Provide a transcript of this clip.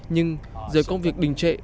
nhưng giờ công việc đình trệ